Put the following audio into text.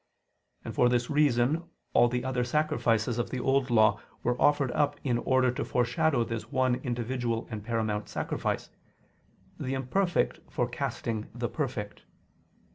And for this reason all the other sacrifices of the Old Law were offered up in order to foreshadow this one individual and paramount sacrifice the imperfect forecasting the perfect.